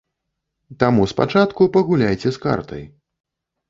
Таму спачатку пагуляйце з картай.